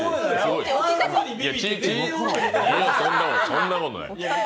そんなことない。